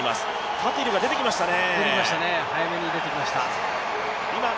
カティルが出てきましたね。